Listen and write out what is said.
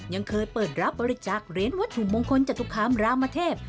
ยังเคยเปิดรับบริจาคเหรียญวัตถุมงคลจตุคามรามเทพ